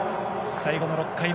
最後の６回目。